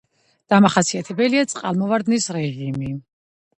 დამახასიათებელია წყალმოვარდნის რეჟიმი.